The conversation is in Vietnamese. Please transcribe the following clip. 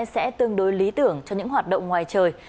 sẽ tương đối lý tưởng cho những hoạt động ngoài trời